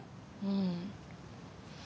うん。